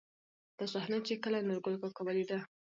دا صحنه، چې کله نورګل کاکا ولېده.